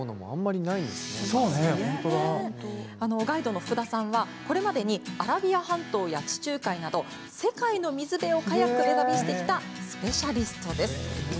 ガイドの福田さんは、これまでにアラビア半島や地中海など世界の水辺をカヤックで旅してきたスペシャリスト。